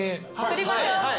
取りましょう。